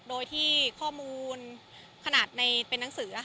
โดยที่ข้อมูลขนาดในเป็นหนังสือ